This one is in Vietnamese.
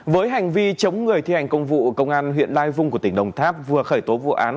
với hành vi chống người thi hành công vụ công an huyện lai vung của tỉnh đồng tháp vừa khởi tố vụ án